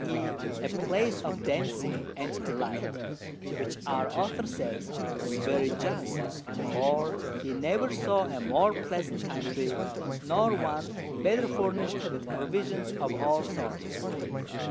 e._ a Place of Dancing and Delight, which our Author says is very just, for he never saw a more pleasant Country, nor one better furnish'd with Provisions of all sorts.